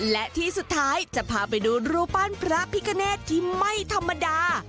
และที่สุดท้ายจะพาไปดูรูปปั้นพระพิกเนตที่ไม่ธรรมดา